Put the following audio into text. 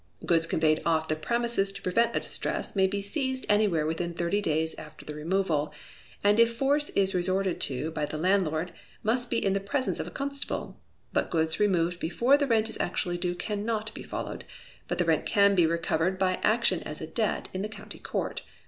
Goods conveyed off the premises to prevent a distress may be seized anywhere within thirty days after the removal, and if force is resorted to by the landlord, it must be in the presence of a constable; but goods removed before the rent is actually due cannot be followed, but the rent can be recovered by action as a debt in the County Court.